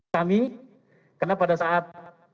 kami karena pada saat